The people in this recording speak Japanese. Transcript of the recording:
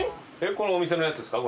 このお店のやつですか？